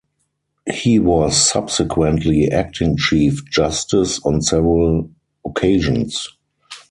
He was subsequently Acting Chief Justice on several occasions.